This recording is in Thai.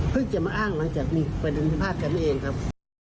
เพิ่งจะมาอ้างหลังจากนี้ไปดูภาพกันเองครับ